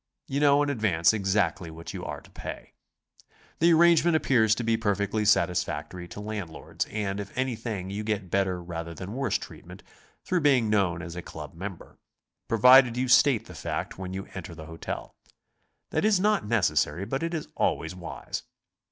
You know in advance ex actly what you are to pay. The arrangement appears to be perfectly satisfactory to landlords, and if anything you get better rather than worse treatment through being known as a Club member, provided you state the fact when you enter the hotel. That is not necessary, but it is always wise.